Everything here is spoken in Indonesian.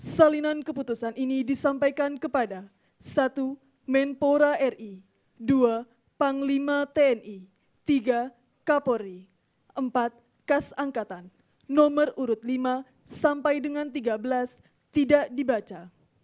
salinan keputusan ini disampaikan kepada satu menpora ri dua panglima tni tiga kapolri empat kas angkatan nomor urut lima sampai dengan tiga belas tidak dibaca